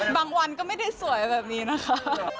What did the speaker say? วันก็ไม่ได้สวยแบบนี้นะคะ